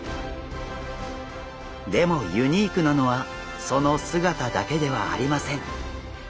でもユニークなのはその姿だけではありません。